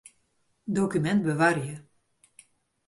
Dokumint bewarje.